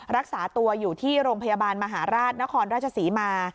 รักษาตัวอยู่ที่โรงพยาบาลมหาราชนครราชศรีมา